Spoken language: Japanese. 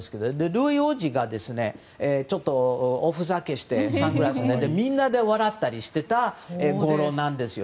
ルイ王子がおふざけしてサングラスかけてみんなで笑ったりしていたんですよ。